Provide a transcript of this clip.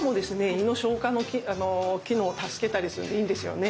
胃の消化の機能を助けたりするのでいいんですよね。